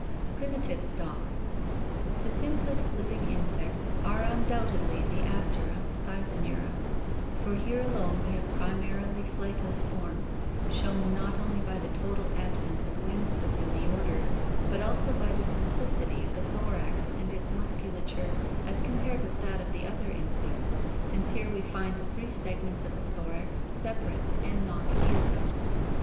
Primitive Stock. — The simplest living insects are undoubtedly the Aptera (Thysanura), for here alone we have primarily flight less forms, shown not only by the total absence of wings within the order, but also by the simplicity of the thorax and its muscula ture as compared with that of the other insects, since here we find the three segments of the thorax separate and not fused (Fig.